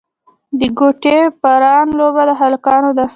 د ګوډي پران لوبه د هلکانو ده.